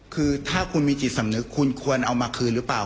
คือถ้าคุณมีจิตสำนึกคุณควรเอามาคืนหรือเปล่า